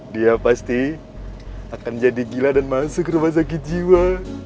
dia pasti akan jadi gila dan masuk rumah sakit jiwa